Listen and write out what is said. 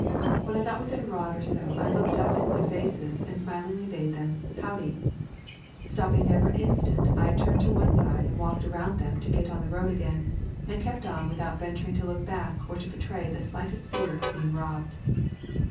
When I got within a rod or so I looked up in their faces and smilingly bade them "Howdy." Stopping never an instant, I turned to one side and walked around them to get on the road again, and kept on without ven turing to look back or to betray the slightest fear of being robbed.